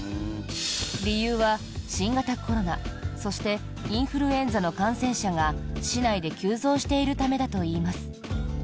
理由は新型コロナそしてインフルエンザの感染者が市内で急増しているためだといいます。